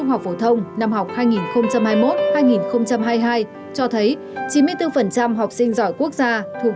trung học phổ thông năm học hai nghìn hai mươi một hai nghìn hai mươi hai cho thấy chín mươi bốn học sinh giỏi quốc gia thuộc